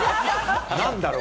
何だろう？